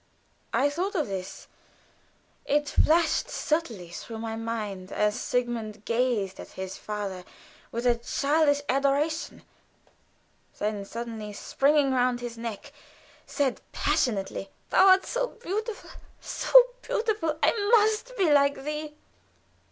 I thought of this it flashed subtly through my mind as Sigmund gazed at his father with a childish adoration then, suddenly springing round his neck, said, passionately: "Thou art so beautiful so beautiful! I must be like thee."